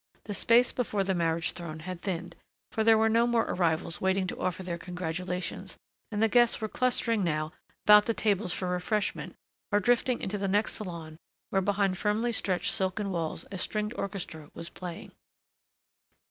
The space before the marriage throne had thinned, for there were no more arrivals waiting to offer their congratulations and the guests were clustering now about the tables for refreshment or drifting into the next salon where behind firmly stretched silken walls a stringed orchestra was playing.